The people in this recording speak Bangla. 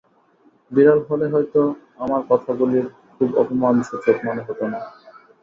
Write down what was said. বিড়াল হলে হয়তো আমার কথাগুলি খুব অপমানসূচক মনে হত না।